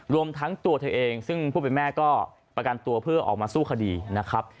รวมทั้งตัวเธอเองซึ่งผู้เป็นแม่ก็ประกันตัวเพื่อออกมาสู้คดีนะครับ